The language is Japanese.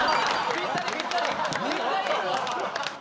ぴったり！